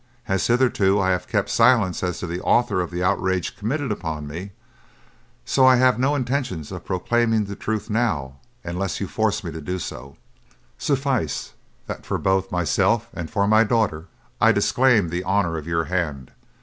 As hitherto I have kept silence as to the author of the outrage committed upon me, so I have no intention of proclaiming the truth now unless you force me to do so. Suffice that both for myself and for my daughter I disclaim the honour of your hand.